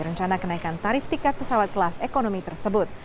rencana kenaikan tarif tiket pesawat kelas ekonomi tersebut